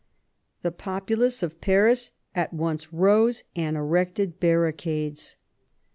The populace of Paris at once rose, and erected barricades.